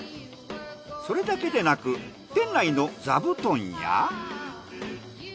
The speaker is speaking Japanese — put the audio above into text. それだけでなく店内の座布団や。